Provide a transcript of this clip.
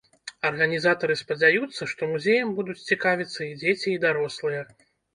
Арганізатары спадзяюцца, што музеем будуць цікавіцца і дзеці, і дарослыя.